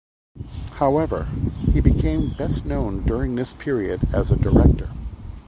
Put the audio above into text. However, he became best known during this period as a director.